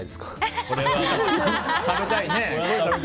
食べたいね。